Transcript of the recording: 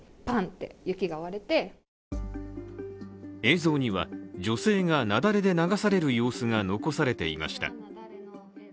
映像には女性が雪崩で流される様子が残されていました。